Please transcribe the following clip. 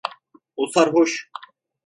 O sarhoş.